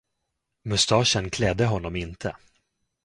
Mustaschen klädde honom inte.